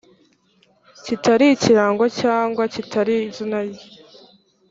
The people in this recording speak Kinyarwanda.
kitari ikirango cyangwa kitari izina rye